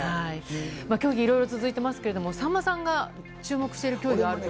競技いろいろ続いてますけど、さんまさんが注目している競技あるとか。